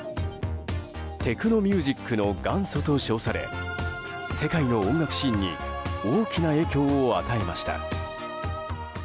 テクノミュージックの元祖と称され世界の音楽シーンに大きな影響を与えました。